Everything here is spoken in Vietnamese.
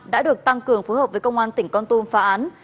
đã được tăng cường phối hợp với công an tỉnh con tum phá án